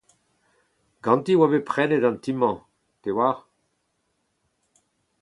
Ganti e oa bet prenet an ti-mañ, te a oar ?